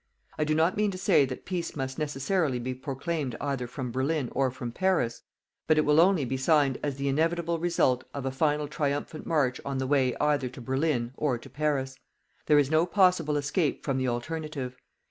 I do not mean to say that peace must necessarily be proclaimed either from Berlin or from Paris. But it will only be signed as the inevitable result of a final triumphant march on the way either to Berlin or to Paris. There is no possible escape from the alternative.